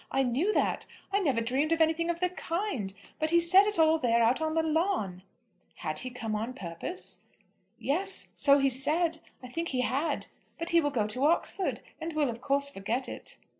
I knew that. I never dreamed of anything of the kind; but he said it all there out on the lawn." "Had he come on purpose?" "Yes; so he said. I think he had. But he will go to Oxford, and will of course forget it."